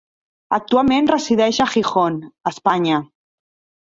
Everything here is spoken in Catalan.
Actualment resideix a Gijón, Espanya.